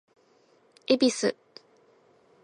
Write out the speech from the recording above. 恵比寿